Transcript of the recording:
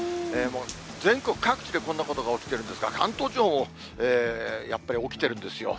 全国各地でこんなことが起きてるんですが、関東地方もやっぱり起きてるんですよ。